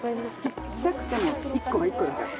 ちっちゃくても１個は１個だから。